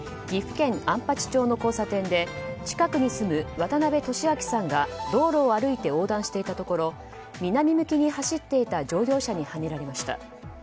岐阜県安八町の交差点で近くに住む渡辺敏明さんが道路を歩いて横断していたところ南向きに走っていた乗用車にはねられました。